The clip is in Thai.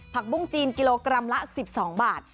ปุ้งจีนกิโลกรัมละ๑๒บาท